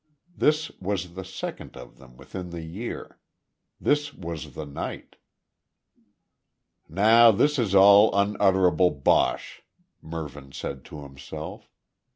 This was the second of them within the year. This was the night. "Now this is all unutterable bosh," Mervyn said to himself.